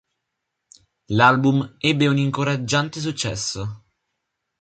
L'album ebbe un incoraggiante successo.